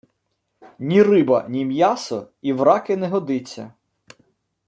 Ні риба, ні м’ясо, і в раки не годиться.